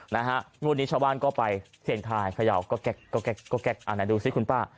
งวดนี้ชาวบ้านก็ไปเสียงทายเขย่าก็แก๊กดูสิคุณป้า